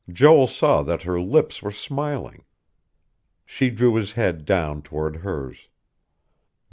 Joel saw that her lips were smiling.... She drew his head down toward hers....